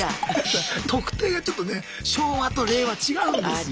「特定」がちょっとね昭和と令和違うんですよ。